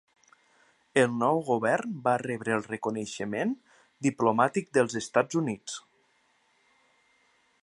El nou govern va rebre el reconeixement diplomàtic dels Estats Units.